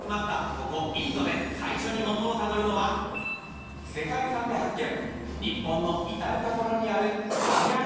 ここインドで最初にモトをタドルのは世界遺産で発見。